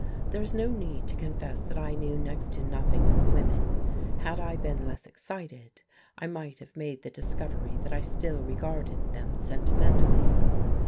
There is no need to confess that I knew next to nothing of women; had I been less excited, I might have made the discovery that I still regarded them sentimentally.